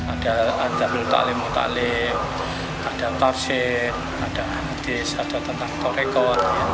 ada belutaklimu ta'lim ada tafsir ada hadits ada tentang torekot